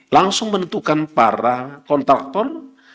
langsung menentukan para kontraktor